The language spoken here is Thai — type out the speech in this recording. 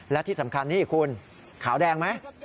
และที่สำคัญนี่คุณขาวแดงไหม